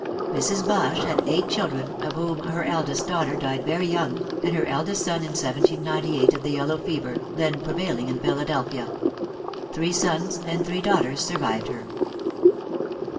Mrs. Bache had eight children, of whom her eldest daughter died very young, and her eldest son in 1798 of the yellow fever, then prevailing in Philadelphia. Three sons and three daughters survived her.